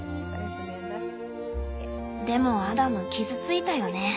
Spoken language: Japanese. でもアダム傷ついたよね。